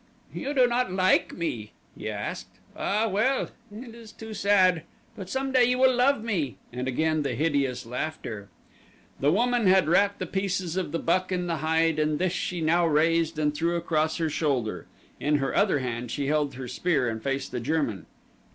"You do not like me?" he asked. "Ah, well; it is too sad. But some day you will love me," and again the hideous laughter. The woman had wrapped the pieces of the buck in the hide and this she now raised and threw across her shoulder. In her other hand she held her spear and faced the German.